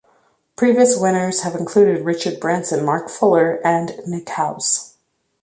Previous winners have included Richard Branson, Mark Fuller and Nick House.